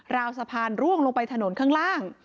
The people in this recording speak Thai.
ราวสะพานร่วงลงไปถนนข้างล่าง